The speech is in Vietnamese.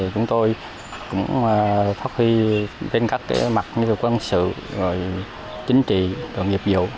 chúng tôi cũng phát huy bên các mặt như là quân sự chính trị nghiệp dụng